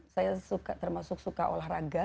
saya suka termasuk suka olahraga